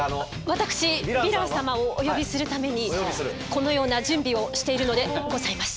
私ヴィラン様をお呼びするためにこのような準備をしているのでございます。